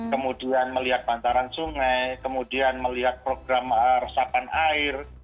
kemudian melihat bantaran sungai kemudian melihat program resapan air